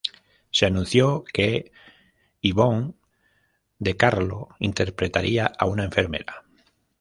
Se anunció que Yvonne de Carlo interpretaría a una enfermera.